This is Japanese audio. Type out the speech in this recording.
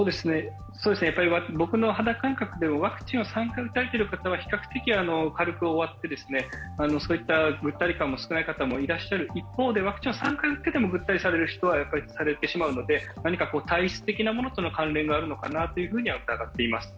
僕の肌感覚ではワクチンを３回打たれている方は比較的、軽く終わってぐったり感も少ない方もいる一方で、ワクチンを３回打っていてもぐったりされる人はされてしまうので何か体質的なものとの関連があるのかなとは疑っています。